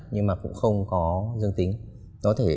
nhưng mà cũng không có dương tính